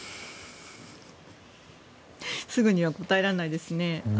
すぐには答えられないですね。